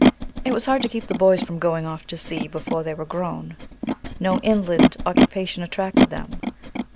It was hard to keep the boys from going off to sea before they were grown. No inland occupation attracted them.